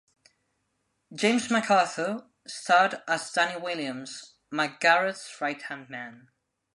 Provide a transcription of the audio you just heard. James MacArthur starred as Danny Williams, McGarrett's right-hand man.